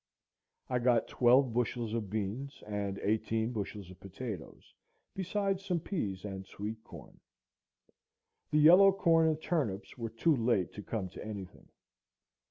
I got twelve bushels of beans, and eighteen bushels of potatoes, beside some peas and sweet corn. The yellow corn and turnips were too late to come to any thing.